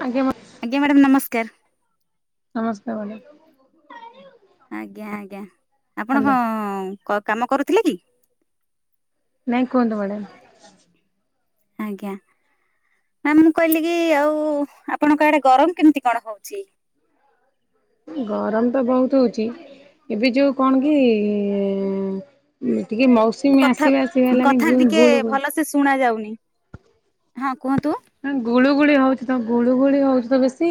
ଆଜ୍ଞା। ଆଜ୍ଞା ମ୍ୟାଡ଼ମ ନମସ୍କାର। ନମସ୍କାର ମ୍ୟାଡ଼ାମ। ଆଜ୍ଞା ଆଜ୍ଞା ଆପଣ ହାଲୋ କଣ କାମ କରୁଥିଲେ କି? ନାଇଁ କୁହନ୍ତୁ ମ୍ୟାଡ଼ାମ୍। ଆଜ୍ଞା ମ୍ୟାମ୍ ମୁଁ କହିଲି କି ଆଉ ଆପଣଙ୍କ ଆଡେ ଗରମ କେମିତି କଣ ହଉଛି? ଗରମ୍ ତ ବହୁତ୍ ହଉଛି। ଏବେ ଯୋଉ କଣ କି ଟିକେ ମଉସୁମୀ କଥା-କଥା ଟିକେ ଭଲସେ ଶୁଣା ଯାଉନି। ହଁ କୁହନ୍ତୁ ଗୁଳୁଗୁଳି ହଉଛି ତ ଗୁଳୁଗୁଳି ହଉଛି ତ ବେଶୀ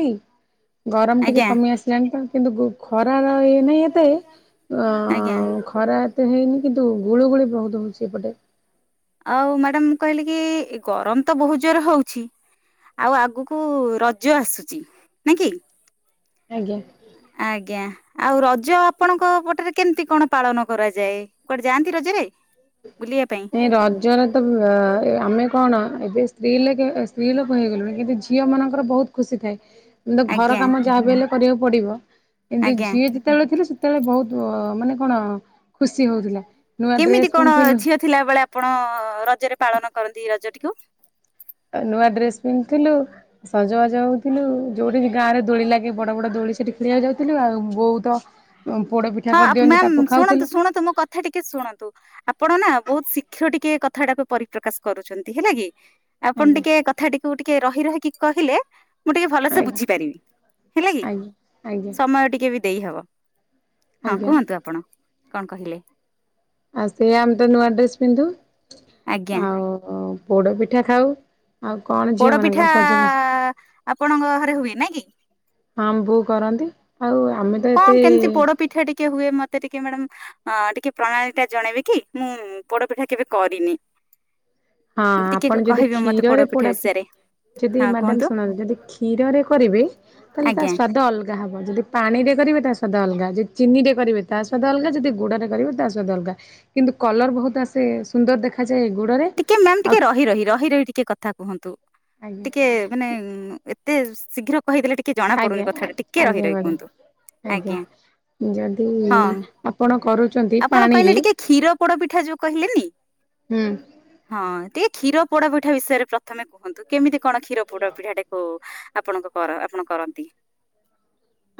ଗରମ ଟିକେ ଆଜ୍ଞା କମି ଆସି ଜାଣିଛନ୍ତି କିନ୍ତୁ ଖରାର ଇଏ ନାହିଁ ଏତେ ଅ ଆଜ୍ଞା ଖରା ଏତେ ହେଇନି କିନ୍ତୁ ଗୁଳୁଗୁଳି ବହୁତ ହେଉଛି ଏପଟେ। ଆଉ ମ୍ୟାଡାମ ମୁଁ କହିଲି କି ଏ ଗରମ୍ ତ ବହୁତ ଜୋରରେ ହଉଛି। ଆଉ ଆଗକୁ ରଜ ଆସୁଛି ନାଇଁ କି? ଆଜ୍ଞା। ଆଜ୍ଞା। ଆଉ ରଜ ଆପଣଙ୍କ ପଟରେ କେମତି କଣ ପାଳନ କରାଯାଏ କୁଆଡେ ଯାଆନ୍ତି ରଜରେ? ବୁଲିବା ପାଇଁ ଏଇ ର ରଜ ରେ ତ ଅ ଆମେ କଣ ଏବେ ସ୍ତ୍ରୀ ଲେକ ସ୍ତ୍ରୀ ଲୋକ ହେଇଗଲେୁଣି କିନ୍ତୁ ଝିଅମାନଙ୍କର ବହୁତ୍ ଖୁସି ଥାଏ କି ଘର ଆଜ୍ଞା କାମ ଯାହା ବି ହେଲେ କରିବାକୁ ପଡିବ କିନ୍ତୁ ଆଜ୍ଞା ଝିଅ ସେତେବେଳେ ଥିଲେ ସେତେବେଳେ ବହୁତ ମାନେ କଣ ଖୁସି ହଉଥିଲା। ନୂଆ କେମିତି ଡ୍ରେସ କଣ ପିନ୍ଧୁଥିଲୁ ଝିଅ ଥିଲା ବେଳେ ଆପଣ ରଜରେ ପାଳନ କରନ୍ତି ରଜଟିକୁ? ନୂଆ ଡ୍ରେସ୍ ପିନ୍ଧିଥିଲୁ ସଜବାଜ ହଉଥିଲୁ ଯୋଉଠି ବି ଗାଁରେ ଦୋଳି ଲାଗେ ବଡ ବଡ ଦୋଳି ସେଠି ଖେଳିବାକୁ ଯାଉଥିଲୁ। ଆଉ ବହୁତ ଉ ପୋଡ଼ ପି ହଁ ମ୍ୟାମ୍ ଶୁଣନ୍ତୁ-ଶୁଣନ୍ତୁ ମୋ କଥା ଟିକେ ଶୁଣନ୍ତୁ। ଆପଣ ନା ବହୁତ ଶୀଘ୍ର ଟିକେ କଥାଟାକୁ ପରିପ୍ରକାଶ କରୁଛନ୍ତି ହେଲା କି। ଆପଣ ଆଜ୍ଞା ଟିକେ କଥାଟିକୁ ଟିକେ ରହି ରହିକି କହିଲେ ମୁଁ ଟିକେ ଭଲସେ ଆଜ୍ଞା ବୁଝିପାରିବି ହେଲା କି ଆଜ୍ଞା ଆଜ୍ଞା ସମୟ ଟିକେ ବି ଦେଇହବ। ହଁ ଆଜ୍ଞା କୁହନ୍ତୁ ଆପଣ କଣ କହିଲେ। ଆଉ ସେ ଆମେ ତ ନୂଆ ଡ୍ରେସ୍ ପିନ୍ଧୁ ଆଜ୍ଞା ଆଉ ପୋଡ଼ପିଠା ଖାଉ। ଆଉ କଣ ଝିଅ ପୋଡପିଠା ମାନଙ୍କର ସଜବାଜ ଆପଣଙ୍କ ଘରେ ହୁଏ ନାଇଁ କି? ହଁ ଆମ ବୋଉ କରନ୍ତି ଆଉ ଆମେ ତ ଏତେ କଣ କେମିତି ପୋଡ ପିଠା ଟିକେ ହୁଏ ମତେ ଟିକେ ମ୍ୟାଡାମ ଅଁ ଟିକେ ପ୍ରଣାଳୀଟା ଜଣେଇବି କି ମୁଁ ପୋଡପିଠା କେବେ କରିନି? ହଁ ଟିକେ ଆପଣ ଯଦି କହିବେ ମତେ କ୍ଷୀରରେ ପୋଡପିଠା ପୋଡ ପି ବିଷୟରେ ଯଦି ହଁ ମ୍ୟାଡ଼ାମ କୁହନ୍ତୁ ଶୁଣନ୍ତୁ ଯଦି କ୍ଷୀରରେ କରିବେ ତାହେଲେ ତା ଆଜ୍ଞା ସ୍ଵାଦ ଅଲ୍ ଯାହା ହେବ ଯଦି ପାଣିରେ କରିବେ ତା ସ୍ୱାଦ ଅଲଗା ଯଦି ଚିନିରେ କରିବେ ତା ସ୍ୱାଦ ଅଲଗା ଯଦି ଗୁଡ଼ରେ କରିବେ ତା ସ୍ୱାଦ ଅଲଗା। କିନ୍ତୁ କଲର ବହୁତ ଆସେ ସୁନ୍ଦର ଦେଖାଯାଏ ଗୁଡରେ। ଟିକେ ମ୍ୟାମ୍ ଟିକେ ରହି ରହି, ରହି ରହି ଟିକେ କଥା କୁହନ୍ତୁ ଆଜ୍ଞା ଟିକେ ମାନେ ଏତେ ଶୀଘ୍ର କହିଦେଲେ ଟିକେ ଜଣା ପଡୁନି ଆଜ୍ଞା କଥାଟା ଟିକେ ରହି ଆଜ୍ଞା ରହି ମ୍ୟାଡ଼ାମ କୁହନ୍ତୁ, ଆଜ୍ଞା। ଯଦି ହଁ ଆପଣ କରୁଛନ୍ତି ଆପଣ କହିଲେ ପାଣିରେ ଟିକେ କ୍ଷୀର ପୋଡ ପିଠା ଯୋଉ କହିଲେନି ହୁଁ। ହଁ ଟିକେ କ୍ଷୀର ପୋଡ ପିଠା ବିଷୟରେ ପ୍ରଥମେ କୁହନ୍ତୁ କେମିତି କଣ କ୍ଷୀର ପୋଡପିଠା ଟାକୁ ଆପଣଙ୍କ କର ଆପଣ କରନ୍ତି?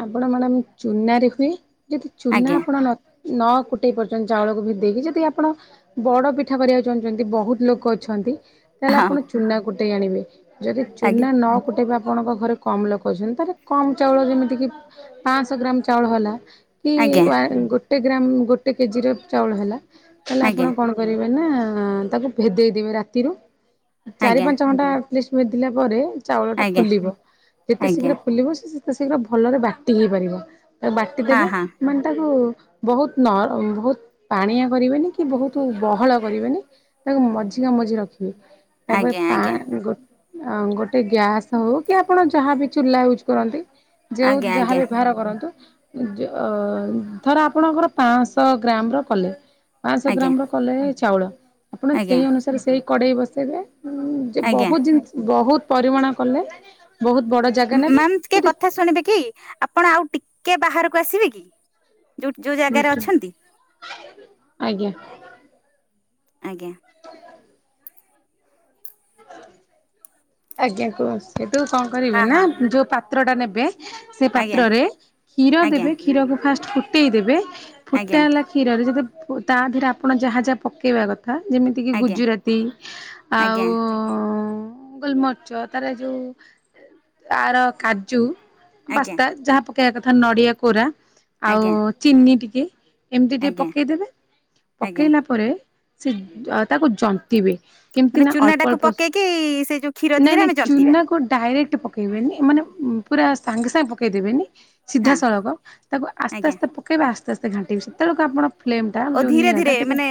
ଆପଣ ମ୍ୟାଡ଼ାମ ଚୁନାରେ ହୁଏ ଯଦି ଚୁନା ଆଜ୍ଞା ଆପଣ ନ ନା କୁଟେଇ ପାରୁଛନ୍ତି ଚାଉଳକୁ ଭିଦେଇେଇକି ଯଦି ଆପଣ ବଡ ପିଠା କରିବାକୁ ଚାହୁଁଛନ୍ତି ବହୁତ ଲୋକ ଅଛନ୍ତି? ତାହେଲେ ହଁ ଆପଣ ଚୁନା କୁଟେଇ ଆଣିବେ ଯଦି ଆଜ୍ଞା ଚୁନା ନକୁଟେଇବ ଆପଣଙ୍କ ଘରେ କମ୍ ଲୋକ ଅଛନ୍ତି ତାହଲେ କମ୍ ଚାଉଳ ଯେମିତି କି ପାଂଶହ ଗ୍ରାମ ଚାଉଳ ହେଲା। କି ଆଜ୍ଞା ୱାନ୍ ଗୋଟେ ଗ୍ରାମ୍ ଗୋଟେ କେଜି ର ଚାଉଳ ହେଲା ତାହେଲେ ଆପଣ ଆଜ୍ଞା କଣ କରିବେ ନା ତାକୁ ଭେଦେଇଦବେ ରାତିରୁ ଚାରି ଆଜ୍ଞା ପାଞ୍ଚ ଘଣ୍ଟା ଲିଷ୍ଟ ମେ ଥିଲା ପରେ ଚାଉଳଟା ଆଜ୍ଞା ଫୁଲିବ ଯେତେ ଆଜ୍ଞା ଶୀଘ୍ର ଫୁଲିବ ସେ ସେତେ ଶୀଘ୍ର ଭଲରେ ବାଟି ହେଇପାରିବ ତାକୁ ବାଟି ହଁ ଦେବେ ହଁ ମାନେ ତାକୁ ବହୁତ ନର୍ ବହୁତ ପାଣିଆ କରିବେନି କି ବହୁତ ବହଳ କରିବେନି ତାକୁ ମଝିକା ମଝି ରଖିବେ। ତାପରେ ଆଜ୍ଞା ପା ଆଜ୍ଞା ଗୋ-ଗୋଟେ ଗ୍ୟାସ୍ ହଉ କି ଆପଣ ଯାହାବି ଚୁଲା ୟୁଜ୍ କରନ୍ତି ଯୋଉଁ ଆଜ୍ଞା ଯାହା ଆଜ୍ଞା ବ୍ୟବହାର କରନ୍ତୁ। ଥରେ ଆପଣଙ୍କର ପାଁଶହ ଗ୍ରାମ ର କଲେ ପାଁଶହ ଗ୍ରାମ ର କଲେ ଚାଉଳ ଆପଣ ଆଜ୍ଞା ଆଜ୍ଞା ସେଇ ଅନୁସାରେ ସେଇ କଡ଼େଇ ବସେଇବେ ଯେ ଆଜ୍ଞା ବହୁତ ଜିନିଷ ବହୁତ ପରିମାଣ କଲେ ବହୁତ ବଡ ମ୍ୟାମ ଟିକେ କଥା ଶୁଣିବେ କି ଆପଣ ଆଉ ଟିକେ ବାହାରକୁ ଆସିବେ କି? ଯୋଉଠି ଯୋଉ ଜାଗାରେ ଅଛନ୍ତି? ଆଜ୍ଞା। ଆଜ୍ଞା। ଆଜ୍ଞା କୁହନ୍ତୁ କଣ କରିବି ହଁ ନା ହଁ ଯୋଉ ପାତ୍ର ଟା ନେବେ ସେ ଆଜ୍ଞା ପାତ୍ରରେ କ୍ଷୀର ଆଜ୍ଞା ଦେବେ କ୍ଷୀରକୁ ଫାଷ୍ଟ ଫୁଟେଇ ଦେବେ ଆଜ୍ଞା ଫୁଟାଲା କ୍ଷୀରରେ ଯଦି ତା ଦେହରେ ଆପଣ ଯାହା ଯାହା ପକେଇବା କଥା ଯେମିତି କିି ଆଜ୍ଞା ଗୁଜୁରାତି ଆଉ ଆଜ୍ଞା ଅହ ଗୋଲମରିଚ ତାର ଯୋଉ ତାର କାଜୁ ଆଜ୍ଞା ବାସ୍ତା ଯାହା ପକେଆ କଥା ନଡିଆ କୋରା ଆଉ ଆଜ୍ଞା ଚିନି ଟିକେ ଏମିତି ଟିକେ ଆଜ୍ଞା ପକେଇଦେବେ ଆଜ୍ଞା ପକେଇଲା ପରେ ସେ ତାକୁ ଜନ୍ତିବେ। କେମିତି ମାନେ ନା ଚୁନା ଅଳ୍ପ ଟାକୁ ଅଳ୍ପ ପକେଇକି ସେ ଯୋଉ କ୍ଷୀର ନାଇଁ ଦିହରେ ନାଇଁ ଆମେ ଜନ୍ତିବା ଚୁନାକୁ ଡାଇରେକ୍ଟ ପ ପକେଇବେନି ମାନେ ପୁରା ସାଙ୍ଗେ ସାଙ୍ଗେ ପକେଇଦେବେନି ସିଧା ହଁ ସଳଖ ତାକୁ ଆସ୍ତେ ଆଜ୍ଞା ଆସ୍ତେ ପ ପକେଇବେ ଆସ୍ତେ ଆସ୍ତେ ଘାଣ୍ଟିବି ସେତେବେଳକୁ ଆପଣ ଫ୍ଲେମ୍ ଟା ଓ ଯୋଉ ଧୀରେ ନିଆଁ ଧୀରେ ଟା ଟିକେ ମାନେ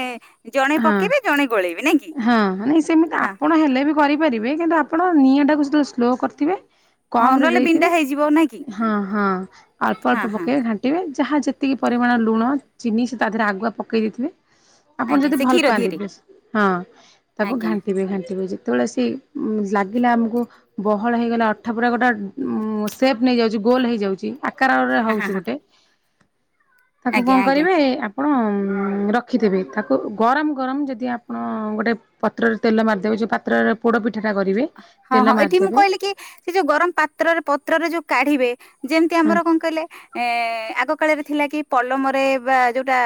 ଜଣେ ହଁ, ପକେଇବେ ଜଣେ ଗୋଳେଇବେ ନାଇଁ କି ହଁ ନାଇଁ ସେମିତି ହଁ ଆପଣ ହେଲେ ବି କରିପାରିବେ କିନ୍ତୁ ଆପଣ ନିଆଁଟାକୁ ସେତେବେଳେ ସ୍ଲୋ କରିଥିବେ। ହଁ କମ୍ ରେ ନହେଲେ ବିଣ୍ଡା ଦେଇଥିବେ ହେଇଯିବ ନାଇଁ କି ହଁ ହଁ ଅଳ୍ପ ଅଳ୍ପ ହଁ ହଁ ପକେଇ ଘା ପକେଇବେ ଯାହା ଯେତିକି ପରିମାଣ ଲୁଣ, ଚିନି ସେ ତା ଦେହରେ ଆଗୁଆ ପକେଇ ଦେଇଥିବେ। ଆପଣ ଆଜ୍ଞା ଯଦି ସେ ଭଲ କ୍ଷୀର ଦିହରେ ପାଆନ୍ତି ହଁ ତାକୁ ଆଜ୍ଞା ଘାଣ୍ଟିବେ ଘାଣ୍ଟି ଯେତେବେଳେ ଆସି ଲାଗିଲା ଆମକୁ ବହଳ ହେଇଗଲା ଅଠା ପୁରା ଗୋଟେ ଉ ସେପ୍ ନେଇଯାଉଛି ଗୋଲ ହେଇଯାଉଛି। ଆକାରରେ ହଁ ହଁ ରହୁଛି ହଁ ଗୋଟେ ତାକୁ ଆଜ୍ଞା କଣ ଆଜ୍ଞା କରିବେ [unintelligible] ରଖିଦେବେ ତାକୁ ଗରମ ଗରମ ଯଦି ଆପଣ ଗୋଟେ ପତ୍ରରେ ତେଲ ମାରିଦେବେ ପାତ୍ରରେ ପୋଡ଼ ପିଠାଟା କରିବେ ହଁ ତେଲ ହଁ ଏଠି ମୁଁ ମାରିଦେବେ କହିଲି କି? ସେ ଯୋଉ ଗରମ ପାତ୍ରରେ ପତ୍ରରେ ଯୋଉ କାଢିବେ ଯେମିତି ଆମର କଣ କହିଲେ? ଏ ଆଗ କାଳରେ ଥିଲା କି ପଲମରେ ବା ଯୋଉଟା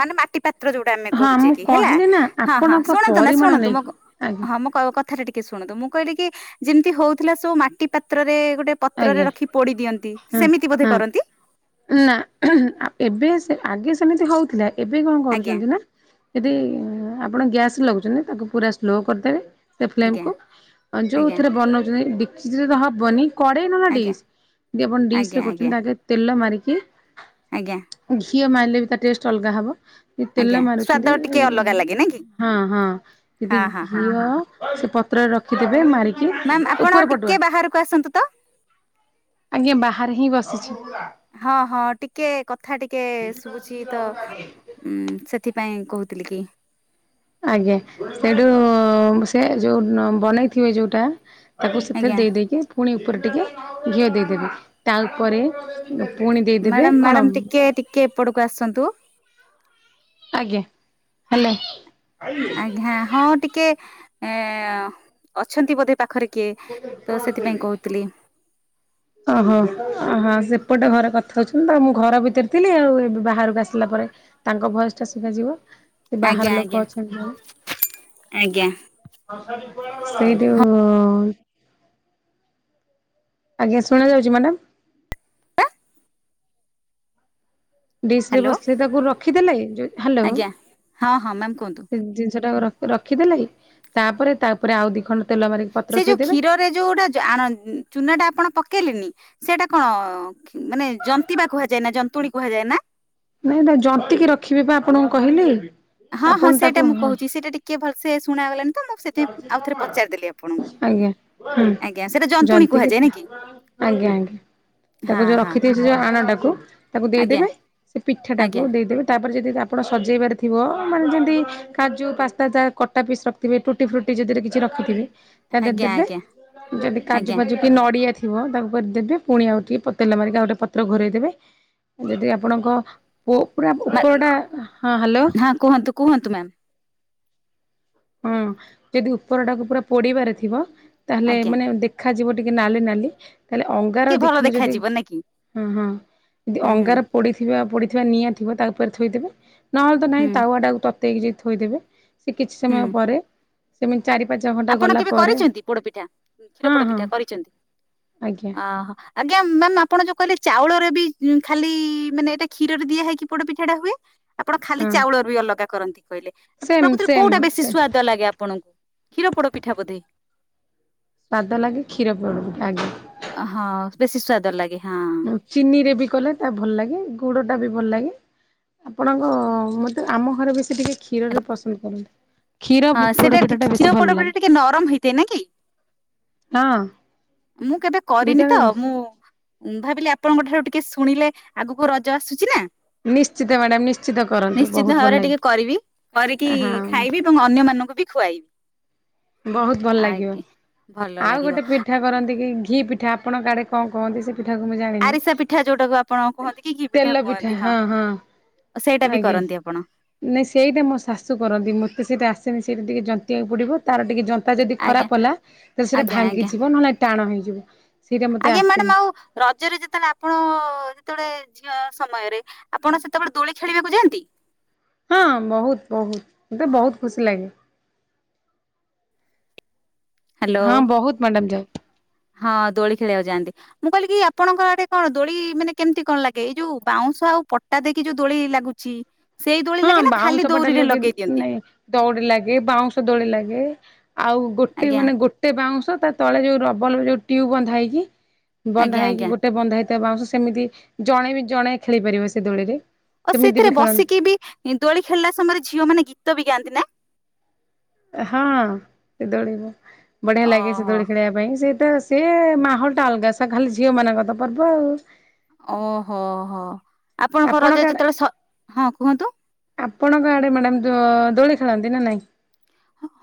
ମାନେ ମାଟି ପାତ୍ର ତିରେଯୋଉଟା ଆମେ ହଁ କହୁଛେ ମୁଁ କି ହେଲା କହିଲି ନା ହଁ ହଁ ଆପଣଙ୍କ ଶୁଣନ୍ତୁ ନା ପରିମାଣ ଶୁଣନ୍ତୁଁ ମୋ ନେଇକି ଆଜ୍ଞା କଥା କ କଥା ଟା ଟିକେ ଶୁଣନ୍ତୁ ମୁଁ କହିଲି କି ଯେମିତି ହଉଥିଲା ସବୁ ମାଟି ପାତ୍ରରେ ଗୋଟେ ପତ୍ରରେ ଆଜ୍ଞା ରଖି ପୋଡି ଦିଅନ୍ତି ହଁ ସେମିତି ବୋଧେ ହଁ କରନ୍ତି? ନା, ଏବେ ଆଗେ ସେମିତି ହଉଥିଲା ଏବେ କଣ ଆଜ୍ଞା କରୁଛନ୍ତି ନା? ଯଦି ଆପଣ ଗ୍ୟାସ ଲଗାଉଛନ୍ତି ତାକୁ ପୁରା ସ୍ଲୋ କରିଦେବେ! ସେ ଫ୍ଲେମ ଆଜ୍ଞା କୁ ଆଉ ଆଜ୍ଞା ଯୋଉଥିରେ ବନଉଛନ୍ତି ଡିକ୍ସ ରେ ତ ହବନି! କଡେଇ ନହେଲେ ଆଜ୍ଞା ଡିସ୍ ଜେଉମାନେ ଡିସ୍ ଆଜ୍ଞା ରେ କରୁଛନ୍ତି ଆଜ୍ଞା ତା ଦେହରେ ତେଲ ମାରିକି ଆଜ୍ଞା! ଘିଅ ମାରିଲେ ବି ତା ଟେଷ୍ଟ ଅଲଗା ହବ! କି ତେଲ ଆଜ୍ଞା ସ୍ଵାଦ ମାରୁଛନ୍ତି ଟିକେ ଅଲଗା ଲାଗେ ନାଇଁ କି ହଁ ହଁ ହଁ ଯଦି ହଁ ହଁ ଘିଅ? ସେ ପତ୍ରରେ ରଖିଥିବେ ମାରିକି ମ୍ୟାମ୍ ଆପଣ ଉପର ଟିକେ ପଟୁଆ! ବାହାରକୁ ଆସନ୍ତୁ ତ! ଆଜ୍ଞା, ବାହାରେ ହିଁ ବସିଛି! ହଁ ହଁ ଟିକେ କଥା ଟିକେ ଶୁଭୁଛି ତ! ଉ ସେଥିପାଇଁ କହୁଥିଲି କି! ଆଜ୍ଞା ସେଇଠୁ ସେ ଯୋଉ ବନେଇ ଥିବେ ଯୋଉଟା ତାକୁ ସେଥିରେ ଆଜ୍ଞା ଦେଇ ଦେଇକି ପୁଣି ଉପରେ ଟିକେ ଘିଅ ଦେଇଦେବେ ତା ଉପରେ ପୁଣି ଦେଇଦେବେ କଣ? କେ ଏପଟକୁ ଆସନ୍ତୁ! ଆଜ୍ଞା, ହାଲା! ଆଜ୍ଞା ହ ହଁ ଟିକେ ଏ ଅଛନ୍ତି ବୋଧେ ପାଖରେ କି? କିଏ ତ ସେଥିପାଇଁ କହୁଥିଲି! ଓହୋ ଅହୋ ସେପଟେ ଘରେ କଥା ହଉଛନ୍ତି ତ ମୁଁ ଘର ଭିତରେ ଥିଲି ଆଉ ଏବେ ବାହାରକୁ ଆସିଲା ପରେ ତାଙ୍କ ଭୟସ ଟା ଶୁଭାଯିବ ସେ ଆଜ୍ଞା ବାହାର ଆଜ୍ଞା। ଲୋକ ଅଛନ୍ତି! ଆଜ୍ଞା ସେଇଠୁ ହଁ ଆଜ୍ଞା ଶୁଣାଯାଉଛି ମ୍ୟାଡ଼ାମ? ଡିସ ରେ ହ୍ୟାଲୋ ବସେଇ ତାକୁ ରଖିଦେଲେ ଯୋଉ ହାଲୋ ଆଜ୍ଞା ହଁ ହଁ ମ୍ୟାମ୍ କୁହନ୍ତୁ। ସେ ଜିନିଷ ଟାକୁ ର ରଖିଦେଲ ତାପରେ ତାପରେ ଆଉ ଦି ଖଣ୍ଡ ତେଲ ମାରିକି ପତ୍ର ସେଇ ଯୋଉ ଥୋଇଦେବେ କ୍ଷୀରରେ ଯୋଉଟା ଯ ଆଣ ଚୁନା ଟା ଆପଣ ପକେଇଲେନି ସେଇଟା କଣ କି ମାନେ ଜନ୍ତିବା କୁହାଯାଏ ନା ଜନ୍ତୁଣୀ କୁହାଯାଏ ନା! ନାଇଁ ନାଇଁ ଜନ୍ତିକି ରଖିବେ ବା ଆପଣଙ୍କୁ କହିଲି! ହଁ ହଁ ଆପଣ ସେଇଟା ତାକୁ ମୁଁ ହଁ କହୁଛି ସେଇଟା ଟିକେ ଭଲସେ ଶୁଣାଗଲା ନି! ତ ମୁଁ ସେଥିାଇଁ ଆଉଥରେ ପଚାରିଦେଲି ଆପଣଙ୍କୁ ଆଜ୍ଞା ହୁଁ ଆଜ୍ଞା ସେଇଟା ଜନ୍ତୁଣୀ ଜନ୍ତିକି କୁହାଯାଏ ନା କି? ଆଜ୍ଞା ଆଞ୍! ହଁ ହଁ! ସିଏ ଆଣଟାକୁ ତାକୁ ଆଜ୍ଞା ଦେଇଦେବେ ସେ ପିଠା ଟାକୁ ଆଜ୍ଞା ଦେଇଦେବେ ତାପରେ ଯଦି ଆପଣ ସଜେଇ ପାରିଥିବ ମାନେ ଯେମିତି କାଜୁ ପାସ୍ତା ଯାହା କଟା ପିସ୍ ର ତେବେ ଟୁଟି ଫ୍ରୁଟି ଯଦିରେ କିଛି ରଖିଥିବେ ତାଧିରେ ଆଜ୍ଞା ଦେବେ ଆଜ୍ଞା ଯଦି କାଜୁ ଆଜ୍ଞା ଫାଜୁ! କି ନଡ଼ିଆ ଥିବ ତାକୁପରେ କରିଦେବେ ପୁଣି ଆଉ ଟିକେ ପ ତେଲ ମାରିକି ଆଉ ଗୋଟେ ପତ୍ର ଘରେଇ ଦେେବେ! ଯଦି ଆପଣଙ୍କ ପୁ ପୁରା ମା ଉପର ଟା ହଁ ହ୍ୟାଲୋ? ହଁ କୁହନ୍ତୁ କୁହନ୍ତୁ ମ୍ୟାମ୍! ହଁ ଯଦି ଉପରଟାକୁ ପୁରା ପୋଡିବାରେ ଥିବ ତାହେଲେ ଆଜ୍ଞା ମାନେ ଦେ ଖାଯିବ ଟିକେ ନାଲି ନାଲି। ତାହେଲେ ଅଙ୍ଗାର ଟିକେ ଦି ଭଲ ଖଣ୍ଡ ଯଦି ଦେଖାଯିବ ନାକି ହଁ ହଁ ଯଦି ହୁଁ ହୁଁ ଅଙ୍ଗାର ପୋଡ଼ିଥିବା ପୋଡିଥିବା ନିଆଁ ଥିବ ତା ଉପରେ ଥୋଇଦେବେ ନହେଲେ ତ ନାହିଁ ହୁଁ ତାୱ ଟା କୁ ତ ତେଇକି ଯଦି ଥୋଇଦେବେ ସେ କିଛି ସମୟ ହୁଁ ପରେ। ସେମିତି ଚାରି ପାଞ୍ଚ ଘଣ୍ଟା ଆପଣ ଗଲା କେବେ ପରେ କରିଚନ୍ତି ପୋଡ଼ପିଠା କ୍ଷୀର ହଁ ହଁ ପୋଡ଼ପିଠା କରିଚନ୍ତି? ଆଜ୍ଞା ଅ ହ ଆଜ୍ଞା ମ୍ୟାମ୍ ଆପଣ ଯୋଉ କହିଲେ ଚାଉଳରେ ବି ଉ ଖାଲି ମାନେ ଏଇ ଟା କ୍ଷୀରରେ ଦିଆ ହେଇକି ପୋଡ଼ ପିଠା ଟା ହୁଏ। ଆପଣ ଖାଲି ହଁ ଚାଉଳ ରୁ ବି ଅଲଗା କରନ୍ତି କହିଲେ ସେମ୍ ପ୍ରକୃତରେ ସେମ୍ କୋଉଟା ହଁ ବେଶୀ ସେମ୍ ସ୍ଵାଦ ଲାଗେ ଆପଣଙ୍କୁ? କ୍ଷୀର ପୋଡ଼ ପିଠା ବୋଧେ? ସ୍ଵାଦ ଲାଗେ କ୍ଷୀର ପୋଡ଼ପିଠା ଆଜ୍ଞା। ଅ ହଁ ବେଶୀ ସ୍ଵାଦ ଲାଗେ ହଁ। ଚିନି ରେ ବି କଲେ ତ ଭଲ ଲାଗେ ଗୁଡ଼ ଟା ବି ଭଲ ଲାଗେ। ଆପଣଙ୍କ ମୋତେ ଆମ ଘରେ ବେଶୀ ଟିକେ କ୍ଷୀରରେ ପସନ୍ଦ କରନ୍ତି। କ୍ଷୀର ହଁ ସେଇଟା ପୋଡ଼ପିଠା ଟା କ୍ଷୀର ବେଶୀ ପୋଡ ଭଲ୍ ଲାଗେ ପିଠା ଟିକେ ନରମ ହେଇଥାଏ ନା କି ହଁ। ମୁଁ କେବେ କରିନି ଦିଟାକ ତ ମୁଁ ଭାବିଲି ଆପଣଙ୍କ ଠାରୁ ଟିକେ ଶୁଣିଲେ ଆଗକୁ ରଜ ଆସୁଛି ନା? ନିଶ୍ଚିତ ମ୍ୟାଡ଼ାମ ନିଶ୍ଚିତ କରନ୍ତୁ ନିଶ୍ଚିତ୍ ବହୁତ ଭଲ ଭାବରେ ଲାଗେ। ଟିକେ କରିବି କରିକି ହଁ ଖାଇବି। ଏବଂ ଅନ୍ୟ ମାନଙ୍କୁ ବି ଖୁଆଇବି। ବହୁତ୍ ଭଲ୍ ଲାଗିବ, ଆଜ୍ଞା ଭଲ ଆଉ ଲାଗିବ। ଗୋଟେ ପିଠା କରନ୍ତି କି ଘି ପିଠା। ଆପଣଙ୍କ ଆଡ଼େ କଣ କହନ୍ତି ସେଟା? ଆରିସା ପିଠା ଯୋଉଟାକୁ ଆପଣ କୁହନ୍ତି କି ଘି ପିଠା କୁହନ୍ତି ହଁ। ସେଇଟା ବି ଆଜ୍ଞା କରନ୍ତି ଆପଣ? ନାଇଁ ସେଇଟା ମୋ ଶାଶୁ କରନ୍ତି ମୋତେ ସେଇଟା ଆସେନି ସେଇଟା ଟିକେ ଜନ୍ତି ବାକୁ ପଡିବ। ତାର ଟିକେ ଜନ୍ତା ଯଦି ଆଜ୍ଞା ଖରାପ୍ ହେଲା ତାହେଲେ ସେଇଟା ଆଜ୍ଞା ଆଜ୍ଞା ଭାଙ୍ଗିଯିବ ନହେଲେ ଟାଣ ହେଇଯିବ। ସେଇଟା ମୋତେ ଆଜ୍ଞା ମ୍ୟାଡାମ୍ ଆସେନି। ଆଉ ରଜରେ ଯେତେବେଳେ ଆପଣ ଯେତେବେଳେ ଝିଅ ସମୟରେ ଆପଣ ସେତେବେଳେ ଦୋଳି ଖେଳିବାକୁ ଯାଆନ୍ତି? ହଁ ବହୁତ୍ ବହୁତ୍ ମତେ ବହୁତ୍ ଖୁସି ଲାଗେ। ହ୍ୟାଲୋ ହଁ ବହୁତ୍ ମ୍ୟାଡ଼ାମ୍ ଯାଉ। ହଁ ଦୋଳି ଖେଳିବାକୁ ଯାଆନ୍ତି। ମୁଁ କହିଲି କି ଆପଣଙ୍କ ଆଡ଼େ କଣ ଦୋଳି ମାନେ କେମିତି କଣ ଲାଗେ, ଏଇ ଯୋଉ ବାଉଁଶ ଆଉ ପ ଟା ଦେଇକି ଯୋଉ ଦୋଳି ଲାଗୁଚି। ହଁ ବାଉଁଶ ପଟା ଲଗେଦେଇ ନାଇ ଦୌଡି ଲାଗେ, ବାଉଁଶ ଦୋଳି ଲାଗେ। ଆଉ ଗୋଟେ ଆଜ୍ଞା ମାନେ ଗୋଟେ ଗୋଟେ ବାଉଁଶ ତା ତଳେ ଯୋଉ ରବଲ୍ ଯୋଉ ଟ୍ୟୁ ବନ୍ଧା ହେଇକି, ବନ୍ଧା ଆଜ୍ଞା ଆଜ୍ଞା ହେଇକି ଗୋଟେ ବନ୍ଧା ହେଇ ବାଉଁଶ ସେମିତି ଜଣେ ବି ଜଣେ ଖେଳି ପାରିବ ସେ ଦୋଳିରେ। ଓଃ ସେମିତି ବି ସେଥିରେ ଖେଳନ୍ତି ବସିକି ବି ଦୋଳି ଖେଳିଲା ସମୟରେ ଝିଅ ମାନେ ଗୀତ ବି ଗାଆନ୍ତି ନା? ହଁ ସେ ଦୋଳିରେ ବଢ଼ିଆ ଲାଗେ, ସେ ଓହୋ ଦୋଳି ଖେଳିବା ପାଇଁ ସେଇଟା ସେଏ ମାହୋଲ୍ ଟା ଅଲଗା ସା ଖାଲି ଝିଅ ମାନଙ୍କର ତ ପର୍ବ ଆଉ। ଅ ହୋଃ ହଃ ଆପଣଙ୍କ ରଜ ଯେତେବେଳେ ସ ହଁ କୁହନ୍ତୁ? ଆପଣଙ୍କ ଆଡ଼େ ମ୍ୟାଡ଼ାମ୍ ଦ୍ୱ ଦୋଳି ଖେଳନ୍ତି ନା ନାହିଁ?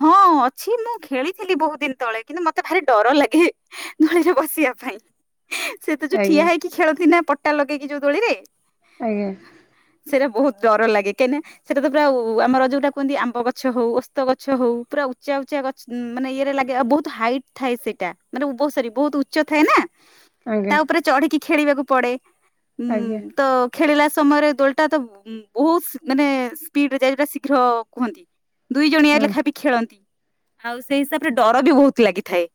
ହଁ ଅଛି ମୁଁ ଖେଳିଥିଲି ବୋହୁତ୍ ଦିନ୍ ତଳେ କିନ୍ତୁ ମତେ ଭାରି ଡର ଲାଗେ। ଦୋଳିରେ ବସିବା ପାଇଁ। ସେ ତ ଯୋଉ ଆଜ୍ଞା ଠିଆ ହେଇକି ଖେଳନ୍ତି ନା ପଟା ଲଗେଇକି ଯୋଉ ଦୋଳିରେ। ଆଜ୍ଞା। ସେରା ବୋହୁତ୍ ଡର ଲାଗେ କାହିଁକିନା ସେଇଟା ତ ପୁରା ଉ ଆମର ଯୋଉଟା କୁହନ୍ତି ଆମ୍ବ ଗଛ ହଉ ଓସ୍ ଓସ୍ତ ଗଛ ହୋଉ ପୁରା ଉଚା ଉଚା ଗଛ ଉଁ ମାନେ ଇଏରେ ଲାଗେ ଆଉ ବୋହୁତ୍ ହାଇଟ୍ ଥାଏ ସେଟା। ମାନେ ଭୋଉ ସରୀ ବୋହୁତ୍ ଉଚ୍ଚ ଥାଏ ନା? ତା ଆଜ୍ଞା ଉପରେ ଚଢ଼ିକି ଖେଳିବାକୁ ପଡ଼େ ଉଁ ଆଜ୍ଞା ତ ଖେଳିଲା ସମୟରେ ଦୋଲଟା ତ ଉଁ ବୋହୁସ୍ ମାନେ ସ୍ପିଡ୍ ରେ ଯାଏ ଯୋଉ ଟା ଶୀଘ୍ର କୁହନ୍ତି। ଦୁଇ ଜଣିଆ ହଁ। ଲେଖାଏଁ ବି ଖେଳନ୍ତି, ଆଉ ସେଇ ହିସାବରେ ଡର ବି ବୋହୁତ୍ ଲାଗିଥାଏ।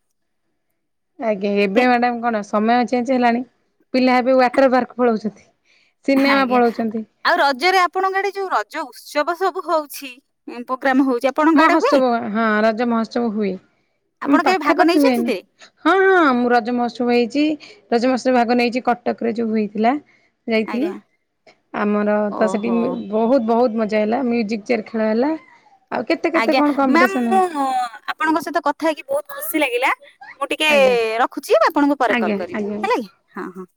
ଆଜ୍ଞା ଏବେ ମ୍ୟାଡ଼ାମ କଣ ସମୟ ଚେଞ୍ଜ ହେଲାଣି ପିଲା ଏବେ ୱାଟର ପାର୍କ ପଳାଉଛନ୍ତି। ଆଜ୍ଞା, ଆଉ ରଜରେ ଆପଣଙ୍କ ଆଡେ ଯୋଉ ରଜ ଉତ୍ସବ ସବୁ ହଉଛି। ପ୍ରୋଗ୍ରାମ ହଉଛି ଆପଣଙ୍କ ଆଡେ ହୁଏ ମହୋତ୍ସବ ହଁ ରଜ ମହୋତ୍ସବ ହୁଏ। ଆପଣ ଆମ କେବେ ଭାଗ ପାଖାପାଖି ନେଇଛନ୍ତି ହୁଏନି। ସେଥିରେ ହଁ ହଁ ମୁଁ ରଜ ମହୋତ୍ସବ ହେଇଛି, ରଜ ମହୋତ୍ସବ ଭାଗ ନେଇଛି କଟକ ରେ ଯୋଉ ହୋଇଥିଲା। ଯାଇଥିଲି, ଆଜ୍ଞା ଆମର ତ ସେଠି ଓହୋ ବହୁତ ବହୁତ ମଜା ହେଲା, ମ୍ୟୁଜିକ୍ ଚେୟାର୍ ଖେଳ ହେଲା। ଆଉ କେତେ କେତେ ଆଜ୍ଞା, କଣ ମାମ କମ୍ପିଟିସନ ହେଲା ମୁଁ ଆପଣଙ୍କ ସହିତ କଥା ହେଇକି ବହୁତ ଖୁସି ଲାଗିଲା। ମୁଁ ଟିକେ ଆଜ୍ଞା ରଖୁଛି ଆପଣଙ୍କୁ ପରେ କଲ ଆଜ୍ଞା କରିବି ଆଜ୍ଞା। ହେଲା କି ହଁ ହଁ।